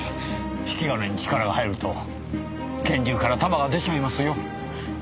引き金に力が入ると拳銃から弾が出ちゃいますよ。